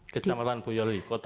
kecamatan boyolali kota